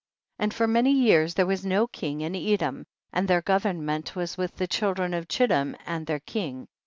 31. And for many years there was no king in Edom, and their govern ment was with the children of Chit tim and their king.